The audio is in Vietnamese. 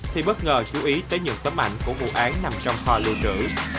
thì bất ngờ chú ý tới những tấm ảnh của vụ án nằm trong kho lưu trữ